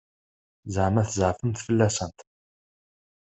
Ẓeɛma tzeɛfemt fell-asent?